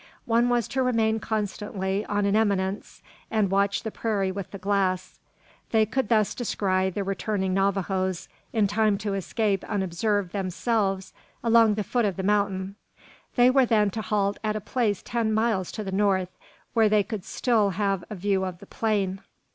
One was to remain constantly on an eminence, and watch the prairie with the glass. They could thus descry the returning Navajoes in time to escape unobserved themselves along the foot of the mountain. They were then to halt at a place ten miles to the north, where they could still have a view of the plain.